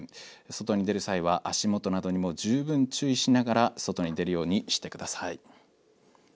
外に出る際は、足元などにも、十分注意をしながら、外に出るようにしてください。